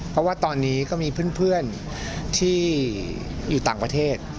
เพราะว่าตอนนี้ก็มีเพื่อนที่อยู่ต่างประเทศ